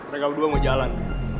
nanti kamu dua mau jalan